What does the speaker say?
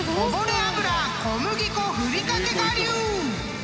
油小麦粉振り掛け我流！］